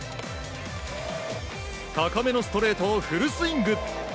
高めのストレートをフルスイング。